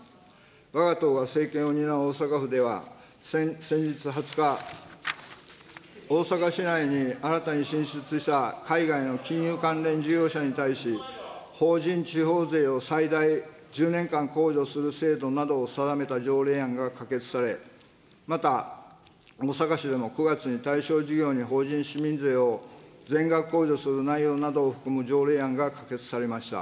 わが党が政権を担う大阪府では、先日２０日、大阪市内に新たに進出した海外の金融関連事業者に対し、法人地方税を最大１０年間控除する制度などを定めた条例案が可決され、また、大阪市でも９月に対象事業に法人市民税を全額控除する内容などを含む条例案が可決されました。